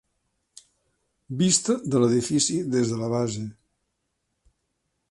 Vista de l'edifici des de la base.